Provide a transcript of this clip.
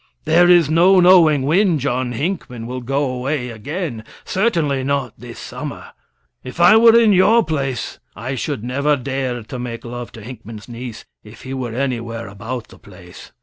There is no knowing when John Hinckman will go away again; certainly not this summer. If I were in your place, I should never dare to make love to Hinckman's niece if he were anywhere about the place.